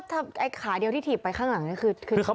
สันข่าวเช้าเทรักมาแล้วครับ